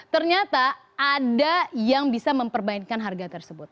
ternyata ada yang bisa mempermainkan harga tersebut